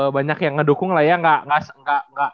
banyak yang ngedukung lah ya